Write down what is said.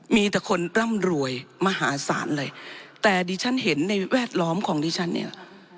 มีแต่คนร่ำรวยมหาศาลเลยแต่ดิฉันเห็นในแวดล้อมของดิฉันเนี่ย